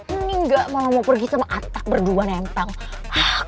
ini gak mau mau pergi sama atta berdua nempang